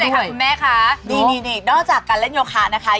ได้เลยค่ะคุณแม่ค่ะดีนอกจากการเล่นโยคะนะคะ